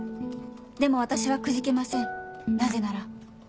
でも私はくじけませんなぜなら